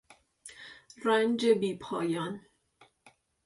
رنج بیپایان